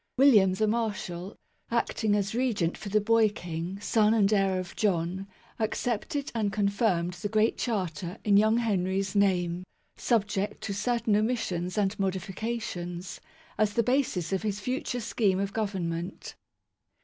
William the Marshal, acting as Regent for the boy King, son and heir of John, ac cepted and confirmed the Great Charter in young Henry's name, subject to certain omissions and modi fications, as the basis of his future scheme of Govern ment.